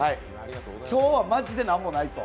今日はマジでなんもないと。